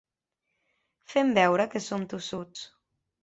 Fem veure que som tossuts.